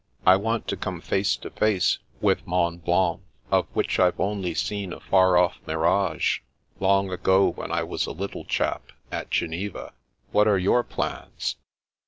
I want to come face to face with Mont Blanc, of which I've 1 62 The Princess Passes only seen a far off mirage, long ago when I was a little chap, at Geneva. What are your plans